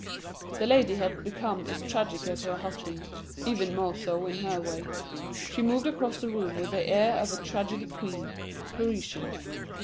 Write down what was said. The lady had become as tragic as her husband even more so, in her way. She moved across the room with the air of a tragedy queen Parisian.